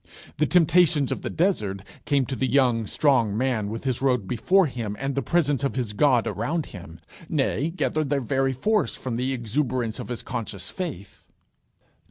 The temptations of the desert came to the young, strong man with his road before him and the presence of his God around him; nay, gathered their very force from the exuberance of his conscious faith.